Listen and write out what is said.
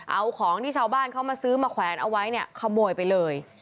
เอาของที่ชาวบ้านเขามาซื้อมาแขวนเอาไว้เนี่ยขโมยไปเลย